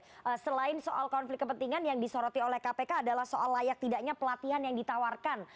oke selain soal konflik kepentingan yang disoroti oleh kpk adalah soal layak tidaknya pelatihan yang ditawarkan